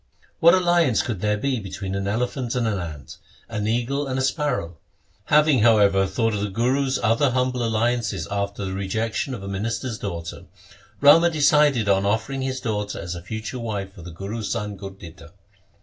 What alliance could there be between an elephant and an ant, an eagle and a sparrow ? Having, however, thought of the Guru's other humble alliances after the rejection of a minister's daughter, Rama decided on offering his daughter as a future wife for the Guru's son Gurditta.